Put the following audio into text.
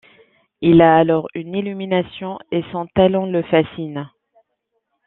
Il a alors une illumination et son talent le fascine.